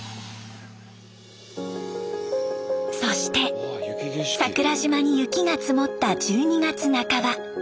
そして桜島に雪が積もった１２月半ば。